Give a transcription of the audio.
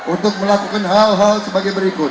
untuk melakukan hal hal sebagai berikut